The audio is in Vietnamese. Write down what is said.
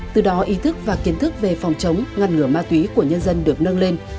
từ đó ý thức và kiến thức về phòng chống ngăn ngừa ma túy của nhân dân được nâng lên